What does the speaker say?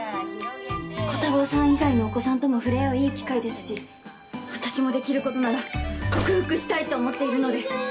コタローさん以外のお子さんとも触れ合ういい機会ですし私もできる事なら克服したいと思っているので。